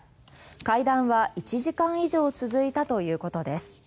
会談は１時間以上続いたということです。